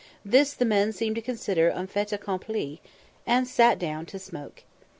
This the men seemed to consider un fait accompli, and sat down to smoke.